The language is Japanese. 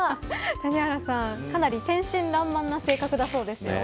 谷原さん、かなり天真爛漫な性格だそうです。